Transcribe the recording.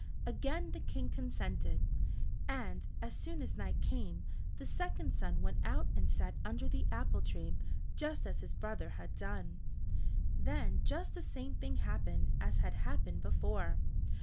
Again the King consented, and as soon as night came the second son went out and sat under the apple tree just as his brother had done. Then just the same thing happened as had happened before.